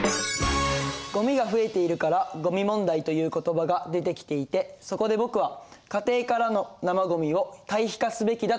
「ゴミが増えているからゴミ問題という言葉がでてきていてそこで僕は家庭からの生ごみを堆肥化すべきだと思う」。